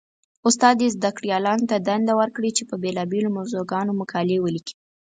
استاد دې زده کړيالانو ته دنده ورکړي؛ چې په بېلابېلو موضوعګانو مقالې وليکي.